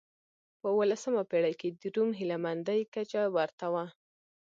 په اولسمه پېړۍ کې د روم هیله مندۍ کچه ورته و.